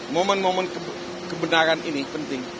momen momen kebenaran ini penting